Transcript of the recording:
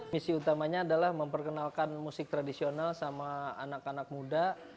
misi utamanya adalah memperkenalkan musik tradisional sama anak anak muda